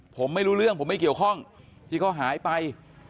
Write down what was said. ผมไม่รู้เรื่องผมไม่เกี่ยวข้องที่เขาหายไป